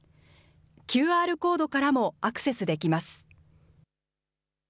ＱＲコードからもアクセスできま